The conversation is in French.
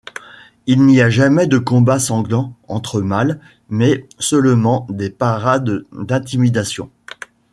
Il n’y a jamais de combats sanglants entre mâles mais seulement des parades d’intimidation.